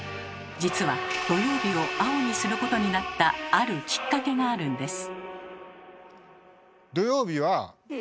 実は土曜日を青にすることになったあるキッカケがあるんです。